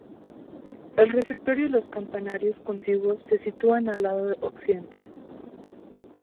El refectorio y los campanarios contiguos se sitúan en el lado occidental.